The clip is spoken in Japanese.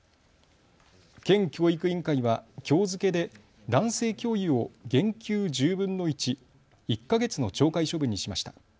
県教育委員会はきょう付けで男性教諭を減給１０分の１、１か月の懲戒処分にしました。